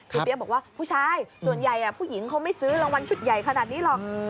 เปี๊ยกบอกว่าผู้ชายส่วนใหญ่ผู้หญิงเขาไม่ซื้อรางวัลชุดใหญ่ขนาดนี้หรอก